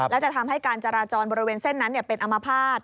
และจะทำให้การจราจรบริเวณเส้นนั้นเป็นอมภาษณ์